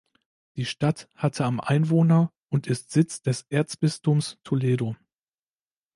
Die Stadt hatte am Einwohner und ist Sitz des Erzbistums Toledo.